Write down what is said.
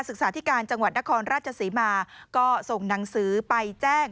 ศึกษาธิการจังหวัดนครราชศรีมาก็ส่งหนังสือไปแจ้ง